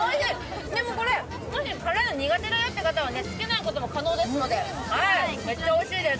でもこれ、もし辛いの苦手だという方はつけないでも大丈夫ですので、めっちゃおいしいです。